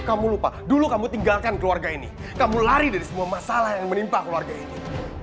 kamu lupa dulu kamu tinggalkan keluarga ini kamu lari dari semua masalah yang menimpa keluarga ini